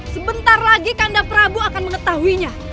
sebentar lagi kanda prabu akan mengetahuinya